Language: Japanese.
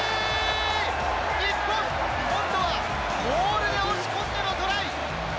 日本、今度はモールで押し込んでのトライ。